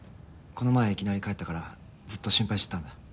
この前いきなり帰ったからずっと心配してたんだ。